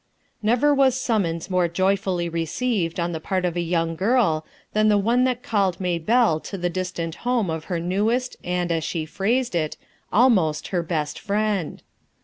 371 RUTH ERSKIXE'S SOX Never was summons more joyfully received the part of a young girl than the one that caC Uaybelle ( the distant home of her newest and as she phrased it, "almost" her best Wend.